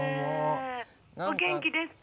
☎お元気ですか？